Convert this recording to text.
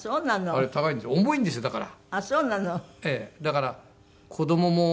重いんですよだから。